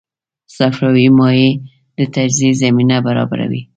صفراوي مایع د تجزیې زمینه برابروي.